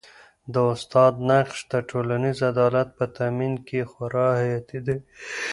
د استاد نقش د ټولنیز عدالت په تامین کي خورا حیاتي دی.